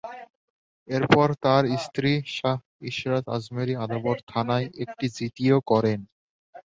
এরপর তাঁর স্ত্রী শাহ ইশরাত আজমেরী আদাবর থানায় একটি জিডিও করেন।